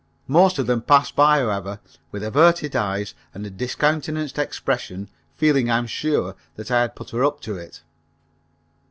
Most of them passed by, however, with averted eyes and a discountenanced expression, feeling, I am sure, that I had put her up to it.